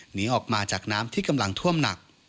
หนีออกมาจากน้ำที่กำลังท่วมหนัก